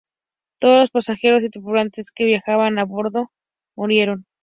Todos los pasajeros y tripulantes que viajaban a bordo murieron.